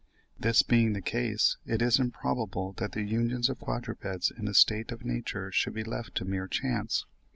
This being the case, it is improbable that the unions of quadrupeds in a state of nature should be left to mere chance.